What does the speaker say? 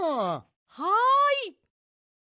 はい！